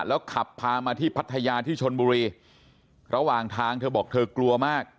แล้วขับพามาที่พัทยาที่ชนบุรีระหว่างทางเธอบอกเธอกลัวมาก